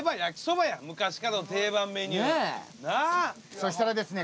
そしたらですね